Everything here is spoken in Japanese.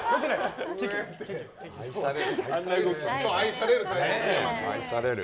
愛されるタイプですね。